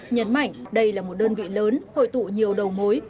nhấn mạnh đây là một đơn vị lớn hội tụ nhiều đầu mối